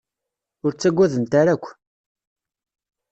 Ur ttaggadent ara akk.